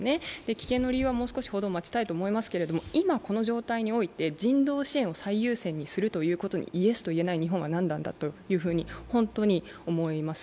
棄権の理由はもう少し報道を待ちたいと思いますけど今この状態において人道支援を最優先をすることに対してイエスと言えない日本は何なんだと本当に思います。